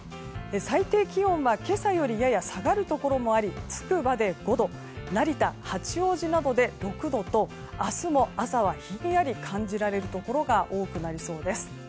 最低気温は今朝よりやや下がるところがありつくばで５度成田、八王子などで６度と明日も朝はひんやり感じられるところが多くなりそうです。